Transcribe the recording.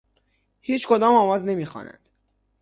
هیچ کدام آواز نمی خوانند.